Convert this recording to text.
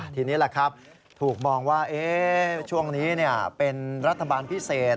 ทีนี้แหละครับถูกมองว่าช่วงนี้เป็นรัฐบาลพิเศษ